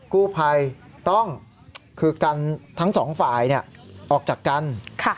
กูภัยต้องกรรภ์ทั้ง๒ฝ่ายออกจากกรรภ์